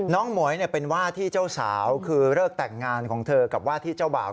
หมวยเป็นว่าที่เจ้าสาวคือเลิกแต่งงานของเธอกับว่าที่เจ้าบ่าว